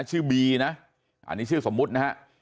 ชื่อบีนะอันนี้ชื่อสมมุตินะฮะ